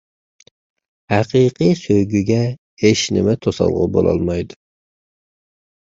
ھەقىقىي سۆيگۈگە ھېچنېمە توسالغۇ بولالمايدۇ.